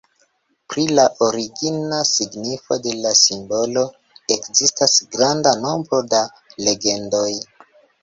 Pri la "origina" signifo de la simbolo ekzistas granda nombro da legendoj.